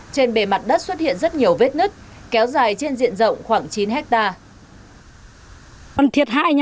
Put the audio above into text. trên bề mặt đất xuất hiện rất nhiều vết nứt kéo dài trên diện rộng khoảng chín hectare